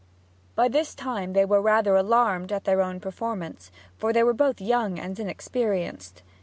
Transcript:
By this time they were rather alarmed at their own performance, for they were both young and inexperienced.